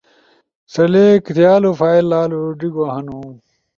سلیکٹ تھیالو فائل لالو ڙیگو ہنو